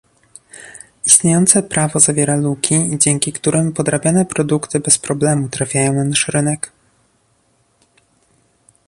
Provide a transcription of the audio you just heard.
Istniejące prawo zawiera luki, dzięki którym podrabiane produkty bez problemu trafiają na nasz rynek